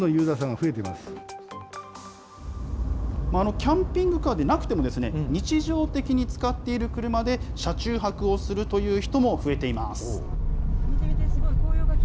キャンピングカーでなくても日常的に使っている車で、車中泊をするという人も増えています。